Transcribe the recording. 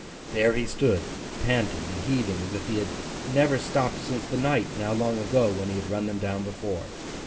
There he stood, panting and heaving, as if he had never stopped since the night, now long ago, when he had run them down before.